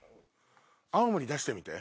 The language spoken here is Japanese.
青森出してみて。